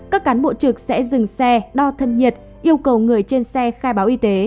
các cán bộ trực sẽ dừng xe đo thân nhiệt yêu cầu người trên xe khai báo y tế